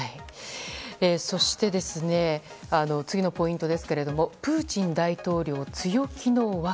そして、次のポイントですがプーチン大統領、強気の訳。